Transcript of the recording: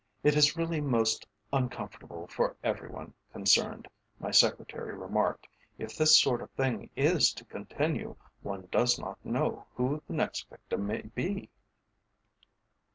"It is really most uncomfortable for every one concerned," my secretary remarked. "If this sort of thing is to continue, one does not know who the next victim may be."